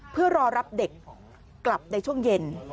เพื่อรอรับเด็กกลับในช่วงเย็น